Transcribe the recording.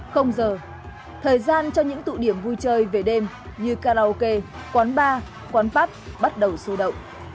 không giờ thời gian cho những tụ điểm vui chơi về đêm như karaoke quán bar quán pub bắt đầu su động